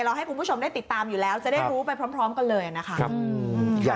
ให้คุณผู้ชมได้ติดตามอยู่แล้วจะได้รู้ไปพร้อมกันเลยนะคะ